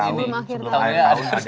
sebelum akhir tahun ya